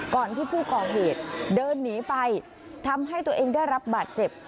ก่อนที่ผู้ก่อเหตุเดินหนีไปทำให้ตัวเองได้รับบาดเจ็บ